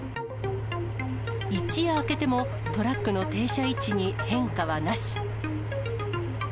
一夜明けても、トラックの停車位置に変化はなし。